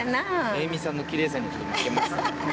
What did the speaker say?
栄美さんのきれいさにはちょっと負けます。